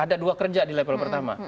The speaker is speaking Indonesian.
ada dua kerja di level pertama